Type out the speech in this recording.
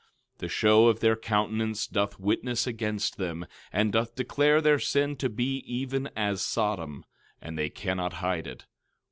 13:9 The show of their countenance doth witness against them, and doth declare their sin to be even as Sodom, and they cannot hide it.